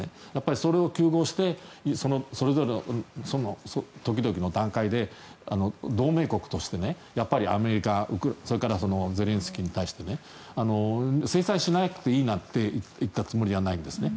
それを糾合してその時々の段階で同盟国としてやっぱりアメリカそれからゼレンスキーに対して制裁しなくていいなんて言ったつもりはないんですね。